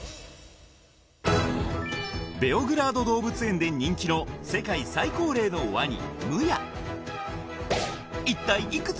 ベオグラード動物園で人気の世界最高齢のワニ・